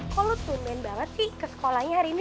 kalo lu tuh main banget sih ke sekolahnya hari ini